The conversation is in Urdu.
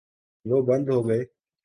وہ بند ہو گئے۔